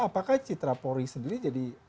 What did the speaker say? apakah citrapori sendiri jadi